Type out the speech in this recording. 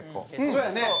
そうやね。